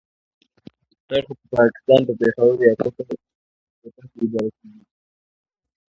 سایټ خو په پاکستان په پېښور يا کوټه کې اداره کېږي.